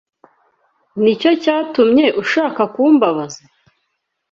Nicyo cyatumye ushaka kumbabaza?